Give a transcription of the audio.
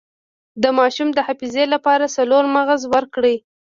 د ماشوم د حافظې لپاره څلور مغز ورکړئ